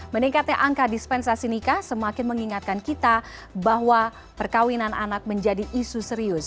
meningkatnya angka dispensasi nikah semakin mengingatkan kita bahwa perkawinan anak menjadi isu serius